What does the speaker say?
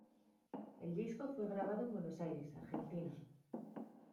El disco fue grabado en Buenos Aires, Argentina.